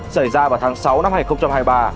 xảy ra vào tháng sáu năm hai nghìn hai mươi ba